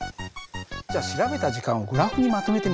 じゃ調べた時間をグラフにまとめてみよう。